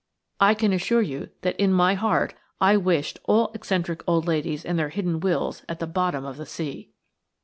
I can assure you that in my heart I wished all eccentric old ladies and their hidden wills at the bottom of the sea.